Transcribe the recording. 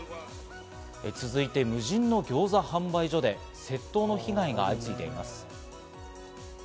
続いて、無人のギョーザの販売所で窃盗の被害が相次いでいます。